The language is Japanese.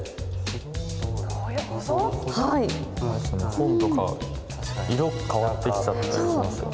本とか色変わってきちゃったりしますよね。